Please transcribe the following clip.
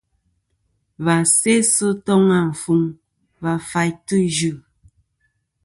Và sæ sɨ toŋ afuŋ va faytɨ Ɨ yɨ.